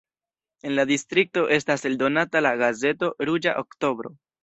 En la distrikto estas eldonata la gazeto "Ruĝa oktobro".